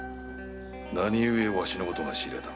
何故わしのことが知れたのだ？